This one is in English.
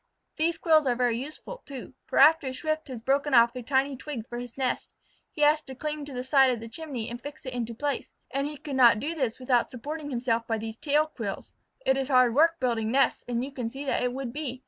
These quills are very useful, too, for after a Swift has broken off a tiny twig for his nest, he has to cling to the side of the chimney and fix it into place, and he could not do this without supporting himself by these tail quills. It is hard work building nests, and you can see that it would be.